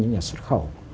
những nhà xuất khẩu